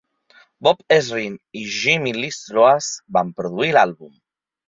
Bob Ezrin i Jimmie Lee Sloas van produir l'àlbum.